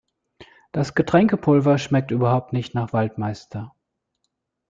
Das Getränkepulver schmeckt überhaupt nicht nach Waldmeister.